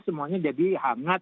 semuanya jadi hangat